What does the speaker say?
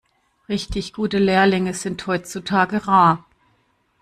Richtig gute Lehrlinge sind heutzutage rar.